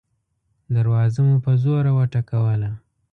دروازه مو په زوره وټکوله.